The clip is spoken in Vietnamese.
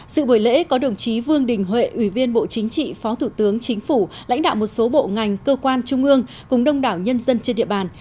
sự buổi lễ có đồng chí vương đình huệ ủy viên bộ chính trị phó thủ tướng chính phủ lãnh đạo một số bộ ngành cơ quan trung ương cùng đông đảo nhân dân trên địa bàn